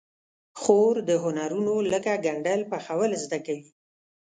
خور د هنرونو لکه ګنډل، پخول زده کوي.